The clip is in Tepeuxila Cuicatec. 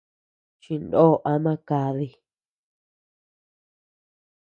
Chindo ama kadi.